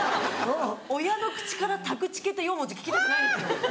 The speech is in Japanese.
親の口からタクチケって４文字聞きたくないですよ。